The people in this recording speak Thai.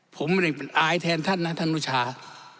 ผมไม่เป็นอายแทนท่านนะท่านอนุชาติ